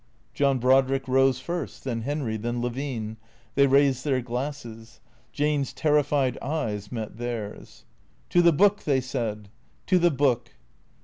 John Brodrick rose first, then Henry, then Levine. They raised their glasses. Jane's terrified eyes met theirs. " To the Book !" they said. " To the Book